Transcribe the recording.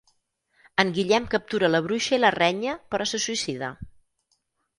En Guillem captura la bruixa i la renya però se suïcida.